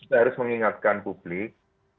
kita harus mengingatkan publik